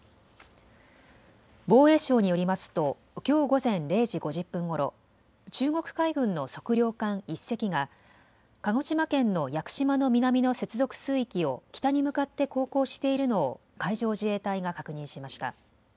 防衛省によりますときょう午前０時５０分ごろ、中国海軍の測量艦１隻が鹿児島県の屋久島の南の接続水域を北に向かって航行しているのを海上自衛隊が確認しました。